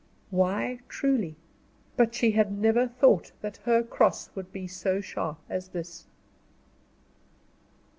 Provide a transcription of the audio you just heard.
Why, truly? But she had never thought that her cross would be so sharp as this.